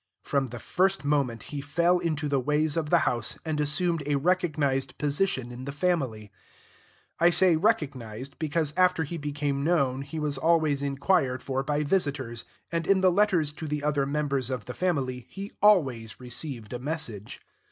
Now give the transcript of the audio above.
From the first moment, he fell into the ways of the house and assumed a recognized position in the family, I say recognized, because after he became known he was always inquired for by visitors, and in the letters to the other members of the family he always received a message.